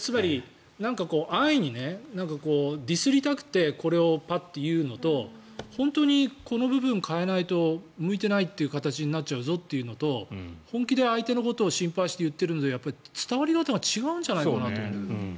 安易にディスりたくてこれをパッと言うのと本当にこの部分を変えないと向いてないという形になっちゃうぞというのと本気で相手のことを心配して言っているので伝わり方が違うんじゃないかなと思う。